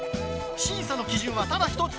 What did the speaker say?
審査の基準はただ一つ！